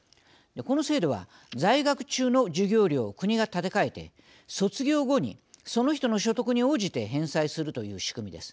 この制度は、在学中の授業料を国が立て替えて卒業後に、その人の所得に応じて返済するという仕組みです。